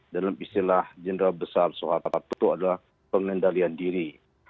dalam istilah jenderal besar soehara patu adalah pengendalian diri